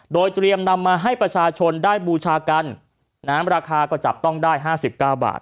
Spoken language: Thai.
โดยเตรียมนำมาให้ประชาชนได้บูชากันราคาก็จับต้องได้๕๙บาท